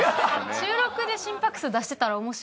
収録で心拍数出してたら面白いですね。